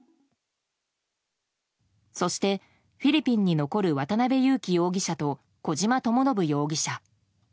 そして、フィリピンに残る渡辺優樹容疑者と小島智信容疑者。